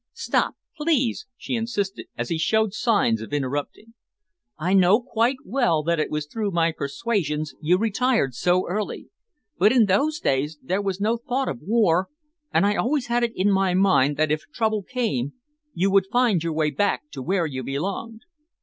Stop, please," she insisted, as he showed signs of interrupting. "I know quite well that it was through my persuasions you retired so early, but in those days there was no thought of war, and I always had it in my mind that if trouble came you would find your way back to where you belonged."